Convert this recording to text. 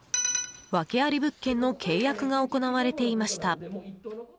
ワケあり物件の契約が行われていました。